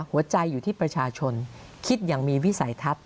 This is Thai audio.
หัวใจอยู่ที่ประชาชนคิดอย่างมีวิสัยทัศน์